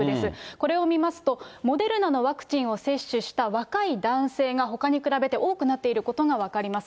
これを見ますと、モデルナのワクチンを接種した若い男性が、ほかに比べて多くなっていることが分かります。